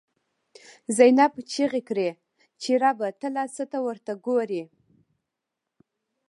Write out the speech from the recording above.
«زینب» چیغی کړی چه ربه، ته لا څه ته ورته گوری